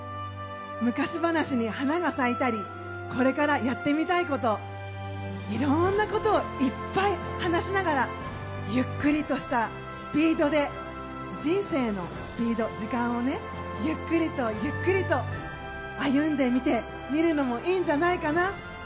昔話に花が咲いたりこれからやってみたいこといろいろなことをいっぱい話しながらゆっくりとしたスピードで人生のスピード、時間をゆっくりとゆっくりと歩んでみてみるのもいいんじゃないかな。